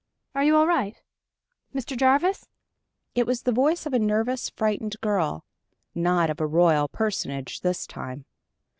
"Are you all right ... Mr. Jarvis?" It was the voice of a nervous, frightened girl not of a royal personage this time.